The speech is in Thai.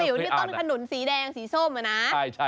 ป๊าติ๋วนี่ต้นขนุนสีแดงสีส้มอ่ะนะ